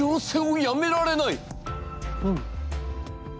うん。